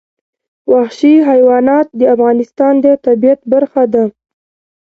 وحشي حیوانات د افغانستان د طبیعت برخه ده.